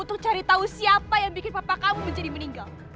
untuk cari tahu siapa yang bikin papa kamu menjadi meninggal